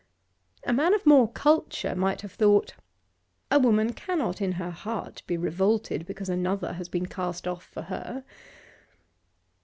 A man of more culture might have thought: A woman cannot in her heart be revolted because another has been cast off for her.